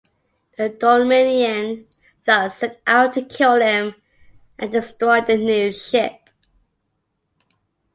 The Dominion thus set out to kill him and destroy the new ship.